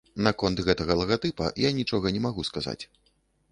Наконт гэтага лагатыпа я нічога не магу сказаць.